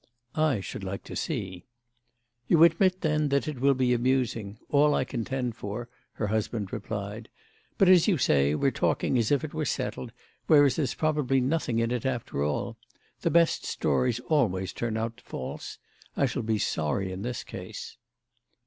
"I should like to see." "You admit, then, that it will be amusing: all I contend for," her husband replied. "But, as you say, we're talking as if it were settled, whereas there's probably nothing in it after all. The best stories always turn out false. I shall be sorry in this case."